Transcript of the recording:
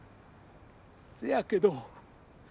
そやけど。